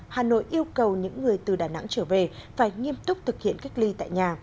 hà nội yêu cầu những người từ đà nẵng trở về phải nghiêm túc thực hiện cách ly tại nhà